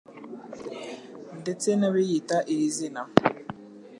Ndetse nabiyita iri zina